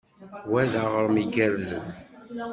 Wa d aɣrem igerrzen.